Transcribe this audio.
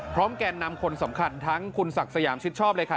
แกนนำคนสำคัญทั้งคุณศักดิ์สยามชิดชอบเลยค่ะ